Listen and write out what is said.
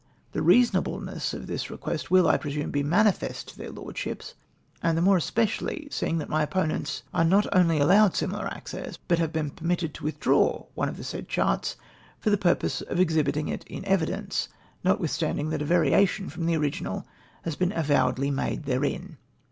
The reasonableness of this request will, I presume, be manifest to their Lordships, and the more especially, seeing that my op ponents are not only aUoived slmUar access, hut have been permitted to ivUhdraw one of the said charts for the purpose of exhibiting it in evidence, notwithstanding that a variation from the original has been avowedly made therein.